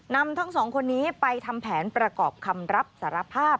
ทั้งสองคนนี้ไปทำแผนประกอบคำรับสารภาพ